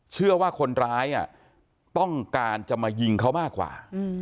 เชื่อว่าคนร้ายต้องการจะมายิงเขามากกว่า